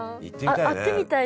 会ってみたい。